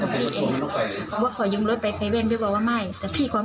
แต่พี่รักประตูอยู่แล้วพี่ไทยก็กลัวเพราะว่ามันเหมือนกัน